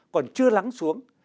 còn chưa lắng xuống